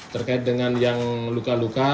terkait dengan yang luka luka